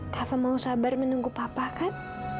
tanpa mau sabar menunggu papa kan